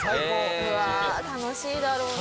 「うわ楽しいだろうな」